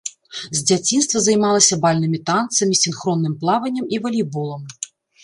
З дзяцінства займалася бальнымі танцамі, сінхронным плаваннем і валейболам.